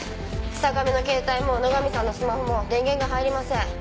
日下部の携帯も野上さんのスマホも電源が入りません。